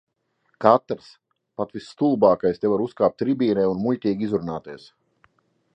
Katrs, pat visstulbākais, te var uzkāpt tribīnē un muļķīgi izrunāties.